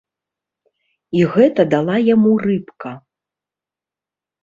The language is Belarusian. І гэта дала яму рыбка.